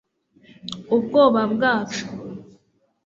ubwoba bwacu